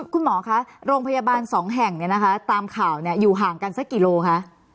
คุณหมอคะโรงพยาบาลสองแห่งเนี่ยนะคะตามข่าวเนี่ยอยู่ห่างกันสักกี่โลคะ